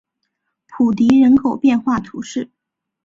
普迪人口变化图示